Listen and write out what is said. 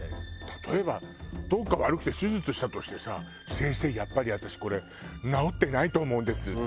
例えばどっか悪くて手術したとしてさ「先生やっぱり私これ治ってないと思うんです」。